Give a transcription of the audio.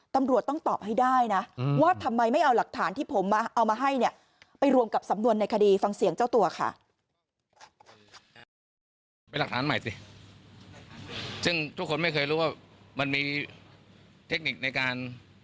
ซึ่งทุกคนไม่เคยรู้ว่ามันมีเทคนิคในการ